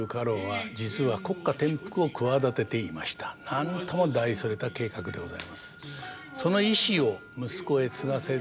なんとも大それた計画でございます。